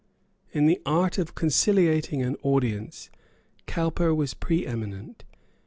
In the art of conciliating an audience, Cowper was preeminent.